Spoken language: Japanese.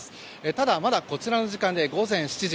ただ、こちらの時間で午前７時。